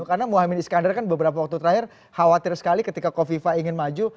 karena muhammad iskandar kan beberapa waktu terakhir khawatir sekali ketika kofifa ingin maju